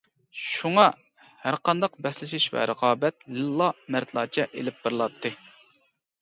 شۇڭا، ھەرقانداق بەسلىشىش ۋە رىقابەت لىللا، مەردلەرچە ئېلىپ بېرىلاتتى.